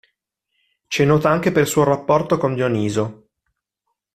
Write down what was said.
Ci è nota anche per il suo rapporto con Dioniso.